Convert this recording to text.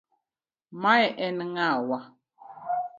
Mae en ng'awa .